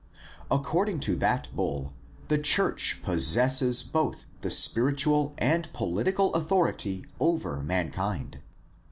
According to that bull the church possesses both the spiritual and pohtical authority over mankind.